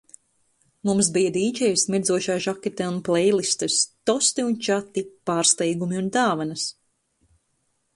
Mums bija dīdžejs mirdzošā žaketē un pleilistes, tosti un čati, pārsteigumi un dāvanas.